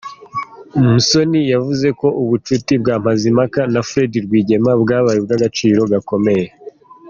Musoni yavuze ko ubucuti bwa Mazimhaka na Fred Rwigema bwabaye ubw’agaciro gakomeye.